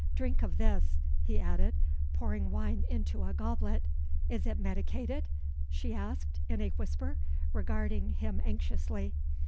Drink of this," he added, pouring wine into a goblet. "Is it medicated?" she asked in a whisper, regarding him anxiously.